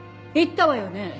言ったわよね？